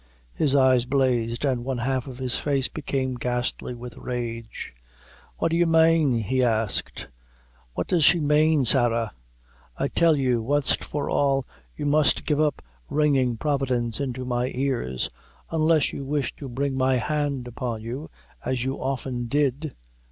His eyes blazed, and one half of his face became ghastly with rage. "What do you mane?" he asked; "what does she mane, Sarah? I tell you, wanst for all, you must give up ringing Providence into my ears, unless you wish to bring my hand upon you, as you often did!